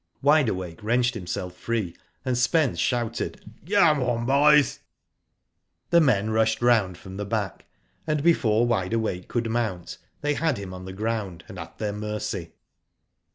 Wide Awake wrenched himself free, and Spence shouted :" Come on, boys !" The men rushed round from the back, and before Wide Awake could mount, they had him on the ground, and at their mercy.